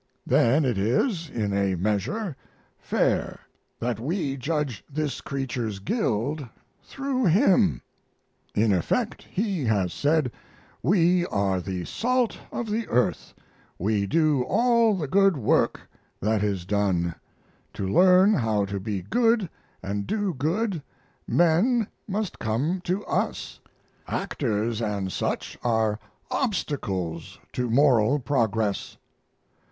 Then it is, in a measure, fair that we judge this creature's guild through him. In effect he has said, "We are the salt of the earth; we do all the good work that is done; to learn how to be good and do good men must come to us; actors and such are obstacles to moral progress."